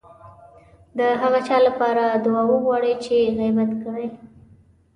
د هغه چا لپاره دعا وغواړئ چې غيبت کړی.